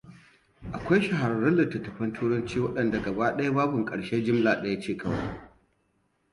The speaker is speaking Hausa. Akwai shahararrun litattafan turanci waɗanda gaba ɗaya babin ƙarshe jimla ɗaya ne kawai.